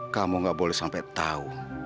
kamu gak boleh sampai tahu